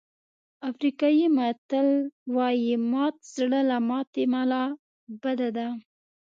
افریقایي متل وایي مات زړه له ماتې ملا بده ده.